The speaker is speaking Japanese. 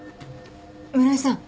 室井さん